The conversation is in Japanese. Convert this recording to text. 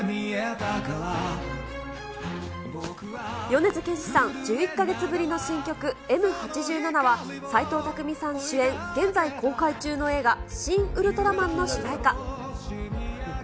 米津玄師さん、１１か月ぶりの新曲、Ｍ八七は、斎藤工さん主演、現在公開中の映画、シン・ウルトラマンの主題歌。